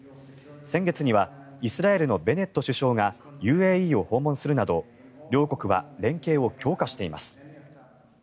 先月にはイスラエルのベネット首相がＵＡＥを訪問するなど両国は連携を強化しています。